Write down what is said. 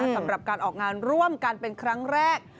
สำหรับการออกงานร่วมกันเป็นครั้งแรก